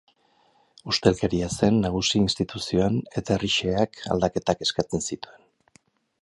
Ustelkeria zen nagusi instituzioan eta herri xeheak aldaketak eskatzen zituen.